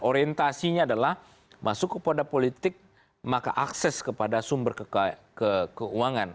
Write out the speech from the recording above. orientasinya adalah masuk kepada politik maka akses kepada sumber keuangan